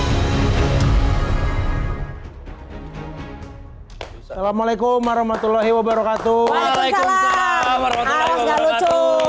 assalamualaikum warahmatullahi wabarakatuh